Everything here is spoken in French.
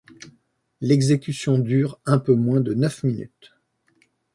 L'exécution dure un peu moins de neuf minutes.